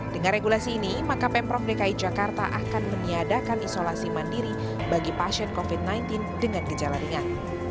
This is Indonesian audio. dengan regulasi ini maka pemprov dki jakarta akan meniadakan isolasi mandiri bagi pasien covid sembilan belas dengan gejala ringan